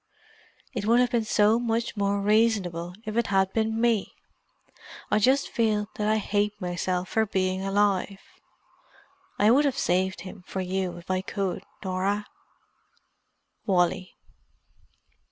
It would have been so much more reasonable if it had been me. I just feel that I hate myself for being alive. I would have saved him for you if I could, Norah, "Wally."